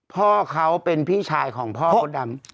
พ่อเขาเป็นพี่ชายของพ่อมดดำ